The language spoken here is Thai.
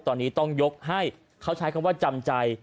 ตอนนี้ต้องยกให้เขาใช้คำว่าจำใจ